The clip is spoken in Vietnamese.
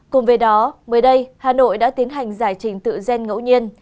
cùng với đó mới đây hà nội đã tiến hành giải trình tự gen ngẫu nhiên